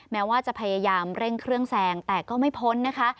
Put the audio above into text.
แม้ว่าจะพยายามเร่งเครื่องแซงแต่ก็ไม่พ้นนะคะ